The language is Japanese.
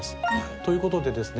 ということでですね